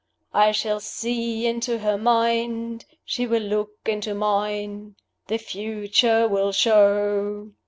I shall see into Her mind: She will look into Mine. The Future will show."